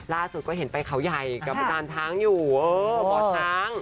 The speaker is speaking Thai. ล่าสุดก็เห็นไปเขาใหญ่กับอาจารย์ช้างอยู่เออหมอช้าง